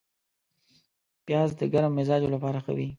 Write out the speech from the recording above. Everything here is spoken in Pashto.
پیاز د ګرم مزاجو لپاره ښه وي